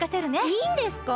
いいんですか？